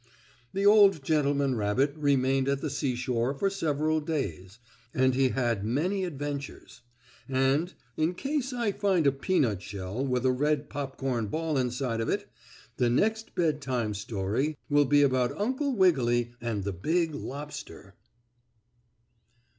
The old gentleman rabbit remained at the seashore for several days, and he had many adventures. And, in case I find a peanut shell with a red popcorn ball inside of it, the next bedtime story will be about Uncle Wiggily and the big lobster.